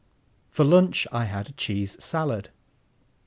For lunch I had cheese salad.